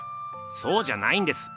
そうじゃないんです。